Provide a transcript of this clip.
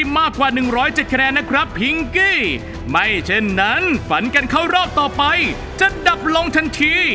ไม่เช่นนั้นฝันกันเข้ารอบต่อไปจะดับลงทันที